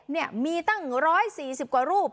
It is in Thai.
เนี่ยมีตั้งร้อยสี่สิบกว่ารูป